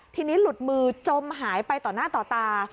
ทีนี้หลุดมือจมหายไปต่อหน้าต่อตา